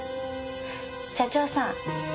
社長さん